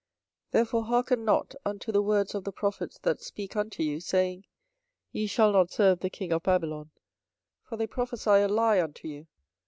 24:027:014 Therefore hearken not unto the words of the prophets that speak unto you, saying, Ye shall not serve the king of Babylon: for they prophesy a lie unto you.